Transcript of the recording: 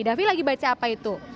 davi lagi baca apa itu